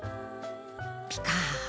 ピカーッ！